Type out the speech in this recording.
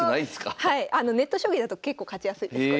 ネット将棋だと結構勝ちやすいです